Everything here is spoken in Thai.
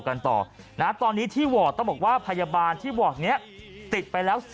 กันต่อนะตอนนี้ที่วอร์ดต้องบอกว่าพยาบาลที่วอร์ดนี้ติดไปแล้ว